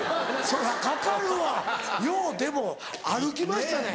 そらかかるわようでも歩きましたね。